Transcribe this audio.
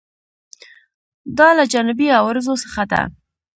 دا له جانبي عوارضو څخه ده.